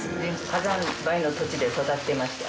火山灰の土地で育ってまして。